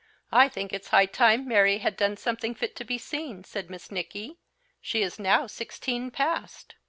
"I think it's high time Mary had done something fit to be seen," said Miss Nicky; "she is now sixteen past."